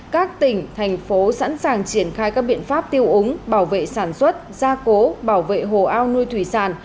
các tỉnh thành phố sẵn sàng triển khai các biện pháp tiêu úng bảo vệ sản xuất gia cố bảo vệ hồ ao nuôi thủy sản